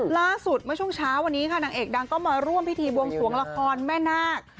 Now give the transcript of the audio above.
ล่าสุดเมื่อช่วงเช้าวันนี้ค่ะนางเอกดังก็มาร่วมพิธีบวงสวงละครแม่นาค